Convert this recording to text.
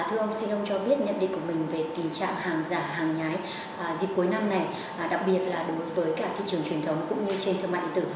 thưa ông xin ông cho biết nhận định của mình về tình trạng hàng giả hàng nhái dịp cuối năm này đặc biệt là đối với cả thị trường truyền thống cũng như trên thương mại điện tử